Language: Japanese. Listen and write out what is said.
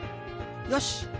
よし。